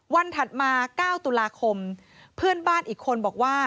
ถัดมา๙ตุลาคมเพื่อนบ้านอีกคนบอกว่า